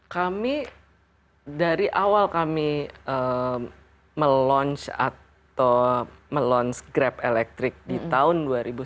kami dari awal kami melunch atau melunch grab elektrik di tahun dua ribu sembilan belas